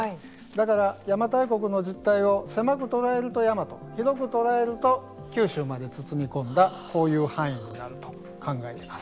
だから、邪馬台国の実態を狭く捉えると大和、広く捉えると九州まで包み込んだ、こういう範囲になると考えています。